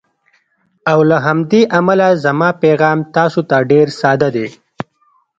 او له همدې امله زما پیغام تاسو ته ډېر ساده دی: